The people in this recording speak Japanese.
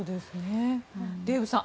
デーブさん